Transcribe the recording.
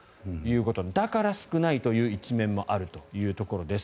だから少ないという一面もあるということです。